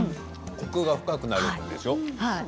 コクが深くなるんでしょう？